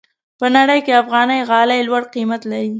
په نړۍ کې افغاني غالۍ لوړ قیمت لري.